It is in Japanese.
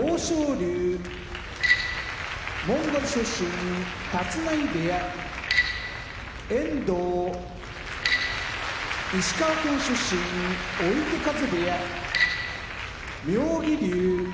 龍モンゴル出身立浪部屋遠藤石川県出身追手風部屋妙義龍